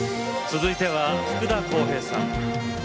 続いては福田こうへいさん。